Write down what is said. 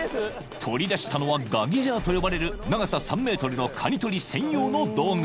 ［取り出したのはガギジャーと呼ばれる長さ３ｍのカニ獲り専用の道具］